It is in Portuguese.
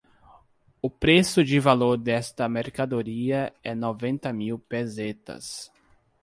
O preço de valor desta mercadoria é noventa mil pesetas.